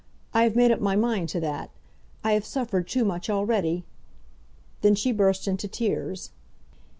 I have made up my mind to that. I have suffered too much already." Then she burst into tears.